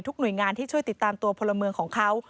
หน่วยงานที่ช่วยติดตามตัวพลเมืองของเขา